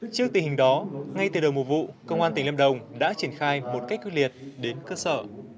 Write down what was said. trước tình hình đó ngay từ đầu mùa vụ công an tỉnh lâm đồng đã triển khai một cách quyết liệt đến cơ sở